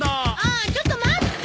あちょっと待って。